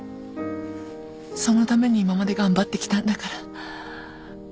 そのために今まで頑張ってきたんだから。